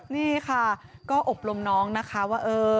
นี่ค่ะก็อบรมน้องนะคะว่า